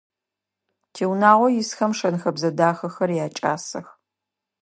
Тиунагъо исхэм шэн-хэбзэ дахэхэр якӀасэх.